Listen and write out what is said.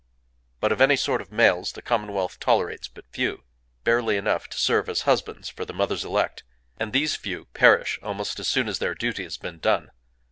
But of any sort of males the commonwealth tolerates but few,—barely enough to serve as husbands for the Mothers Elect, and these few perish almost as soon as their duty has been done.